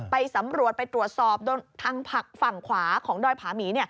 ไปสำรวจไปตรวจสอบทางผักฝั่งขวาของดอยผาหมี